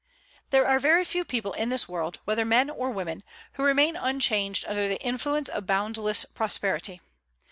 There are very few people in this world, whether men or women, who remain unchanged under the influence of boundless prosperity.